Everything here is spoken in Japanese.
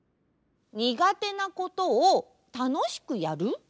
にがてなことをたのしくやる？